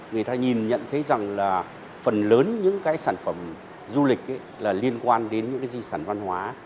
người ta nhìn nhận thấy rằng phần lớn những sản phẩm du lịch liên quan đến di sản văn hóa